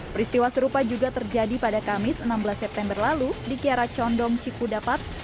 peristiwa serupa juga terjadi pada kamis enam belas september lalu di kiara condong cikudapat